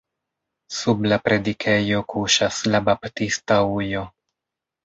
Sub la predikejo kuŝas la baptista ujo.